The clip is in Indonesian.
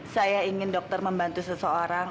saya ingin dokter membantu seseorang